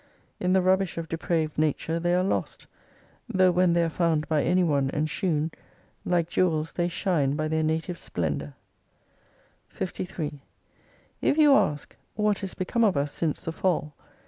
In the rubbish of depraved Nature they are lost, though when they are found by any one, and shewn, like jewels they shine by their native splendour, 53 If you ask, what is become of us since the fall